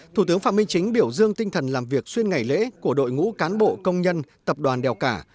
thủ tướng phạm minh chính biểu dương tinh thần làm việc xuyên ngày lễ của đội ngũ cán bộ công nhân tập đoàn đèo cả